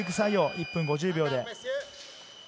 １分５０秒で。